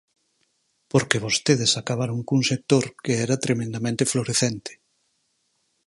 Porque vostedes acabaron cun sector que era tremendamente florecente.